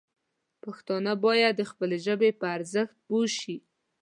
پښتانه باید د خپلې ژبې په ارزښت پوه شي.